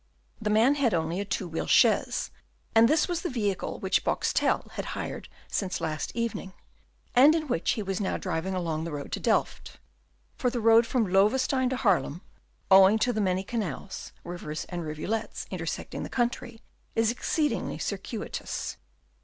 The man had only a two wheel chaise, and this was the vehicle which Boxtel had hired since last evening, and in which he was now driving along the road to Delft; for the road from Loewestein to Haarlem, owing to the many canals, rivers, and rivulets intersecting the country, is exceedingly circuitous.